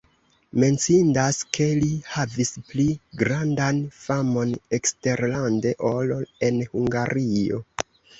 Menciindas, ke li havis pli grandan famon eksterlande, ol en Hungario.